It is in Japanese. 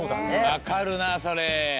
わかるなそれ。